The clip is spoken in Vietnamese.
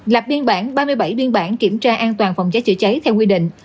lập biên bản ba mươi bảy biên bản kiểm tra an toàn phòng cháy chữa cháy theo quy định